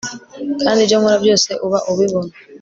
kandi ibyo nkora byose uba ubibona